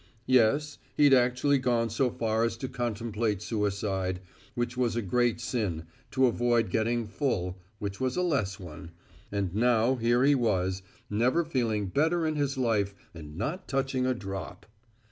Yes, he'd actually gone so far as to contemplate suicide, which was a great sin, to avoid getting full, which was a less one and now here he was, never feeling better in his life and not touching a drop.